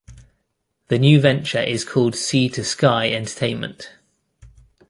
The new venture is called Sea to Sky Entertainment.